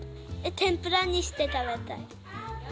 天ぷらにして食べたい。